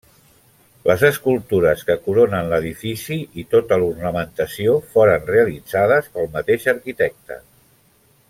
Les escultures que coronen l'edifici i tota l'ornamentació foren realitzades pel mateix arquitecte.